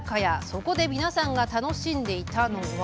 そこで皆さんが楽しんでいたのは。